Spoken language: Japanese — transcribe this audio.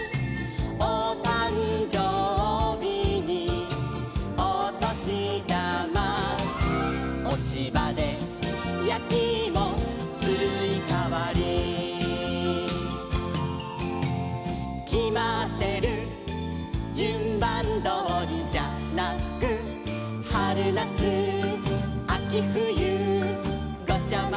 「おたんじょうびにおとしだま」「おちばでやきいもすいかわり」「きまってるじゅんばんどおりじゃなく」「はるなつあきふゆごちゃまぜしたいね」